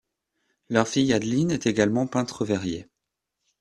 Leur fille Adeline est également peintre verrier.